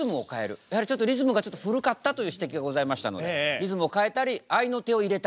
やはりちょっとリズムがちょっと古かったという指摘がございましたのでリズムを変えたりあいの手を入れたりと。